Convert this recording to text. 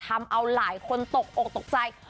ทำเอาหลายคนตกอกตกใจ